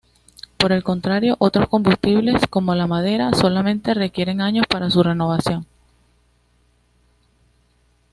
Por el contrario, otros combustibles, como la madera solamente requieren años para su renovación.